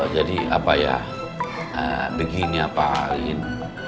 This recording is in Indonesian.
jadi apa ya begini pak arin